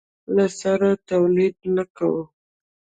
له سره تولید نه کوو.